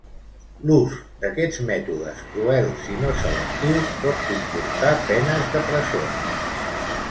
L'ús d'aquests mètodes cruels i no selectius pot comportar penes de presó.